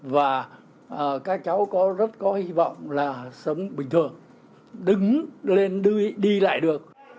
và các cháu rất có hy vọng là sống bình thường đứng lên đi lại được